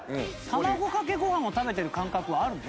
卵かけご飯を食べてる感覚はあるの？